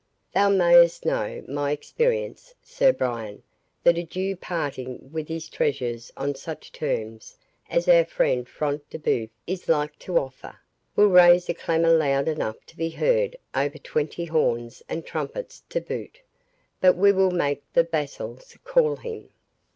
Thou mayst know, by experience, Sir Brian, that a Jew parting with his treasures on such terms as our friend Front de Bœuf is like to offer, will raise a clamour loud enough to be heard over twenty horns and trumpets to boot. But we will make the vassals call him."